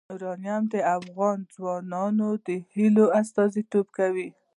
یورانیم د افغان ځوانانو د هیلو استازیتوب کوي.